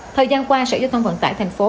thời gian qua sở giao thông vận tải thành phố